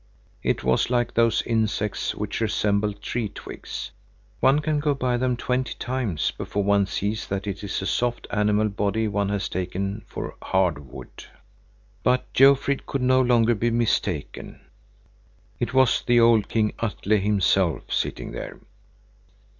It was like those insects which resemble tree twigs. One can go by them twenty times before one sees that it is a soft animal body one has taken for hard wood. But Jofrid could no longer be mistaken. It was the old King Atle himself sitting there.